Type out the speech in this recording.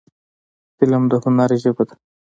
فلم د هنر ژبه ده